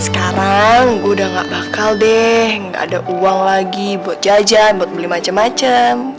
sekarang udah gak bakal deh nggak ada uang lagi buat jajan buat beli macam macam